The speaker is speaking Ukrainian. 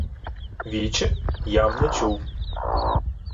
— Віче? Я-м не чув...